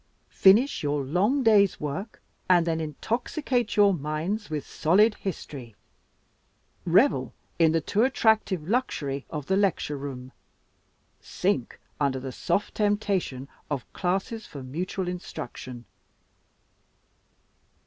Finish your long day's work and then intoxicate your minds with solid history, revel in the too attractive luxury of the lecture room, sink under the soft temptation of classes for mutual instruction!